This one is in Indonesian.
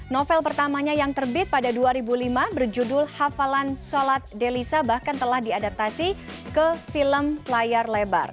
novel pertamanya yang terbit pada dua ribu lima berjudul hafalan sholat delisa bahkan telah diadaptasi ke film layar lebar